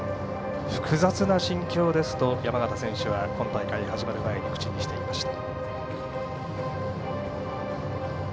複雑な心境ですと、山縣選手は今大会が始まる前に口にしていました。